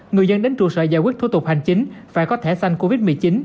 người dân đến trụ sở giải quyết thủ tục hành chính phải có thẻ xanh covid một mươi chín